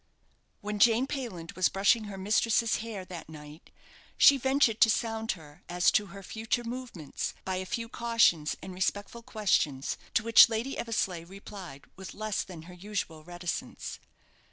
When Jane Payland was brushing her mistress's hair that night, she ventured to sound her as to her future movements, by a few cautions and respectful questions, to which Lady Eversleigh replied with less than her usual reticence.